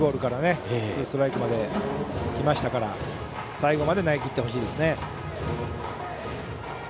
ツーストライクまできましたから最後まで投げきってほしいですね。